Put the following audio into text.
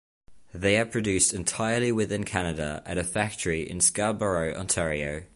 They are produced entirely within Canada, at a factory in Scarborough, Ontario.